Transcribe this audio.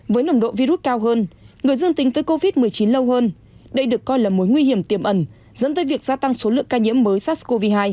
với nồng độ virus cao hơn người dương tính với covid một mươi chín lâu hơn đây được coi là mối nguy hiểm tiềm ẩn dẫn tới việc gia tăng số lượng ca nhiễm mới sars cov hai